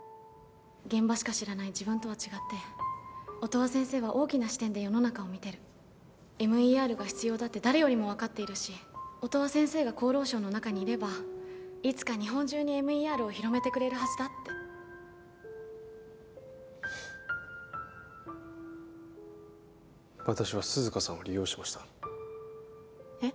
現場しか知らない自分とは違って音羽先生は大きな視点で世の中を見てるＭＥＲが必要だって誰よりも分かっているし音羽先生が厚労省の中にいればいつか日本中にＭＥＲを広めてくれるはずだって私は涼香さんを利用しましたえっ？